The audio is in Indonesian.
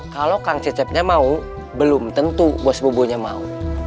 kalau kang cecepnya mau belum tentu bos bobonya mau